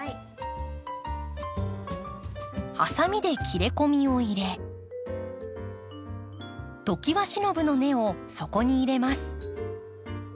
ハサミで切れ込みを入れトキワシノブの根をそこに入れます。